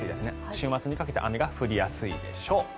週末にかけて雨が降りやすいでしょう。